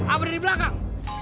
apa dari belakang